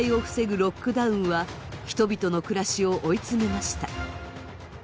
ロックダウンは人々の暮らしを追い詰めました。